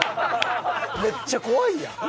めっちゃ怖いやん！